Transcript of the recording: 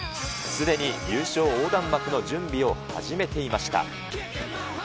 すでに優勝横断幕の準備を始めていました。